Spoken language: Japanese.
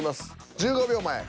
１５秒前。